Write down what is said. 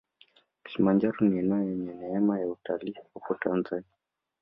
kilimanjaro ni eneo lenye neema ya utalii hapa tanzania